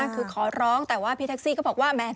คือขอร้องแต่ว่าพี่แท็กซี่ก็บอกว่าแม้